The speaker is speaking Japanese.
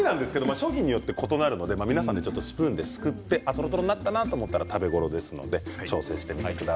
商品によって異なるのでスプーンですくってとろとろになったら食べ頃です